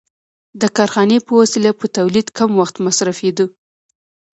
د کارخانې په وسیله په تولید کم وخت مصرفېده